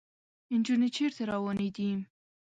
انجونې چېرته روانې دي ؟